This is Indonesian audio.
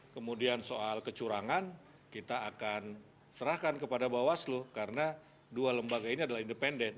kemudian soal kecurangan kita akan serahkan kepada bawaslu karena dua lembaga ini adalah independen